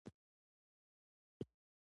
د صادراتو قیمت رالویږي.